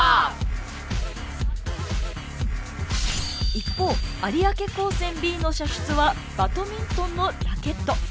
一方有明高専Ｂの射出はバドミントンのラケット。